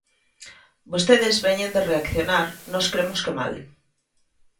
Vostedes veñen de reaccionar nós cremos que mal.